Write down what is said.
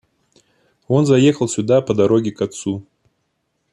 Он заехал сюда по дороге к отцу.